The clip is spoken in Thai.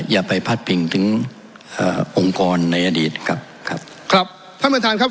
อย่าไปพัดพิงถึงเอ่อองค์กรในอดีตครับครับท่านประธานครับ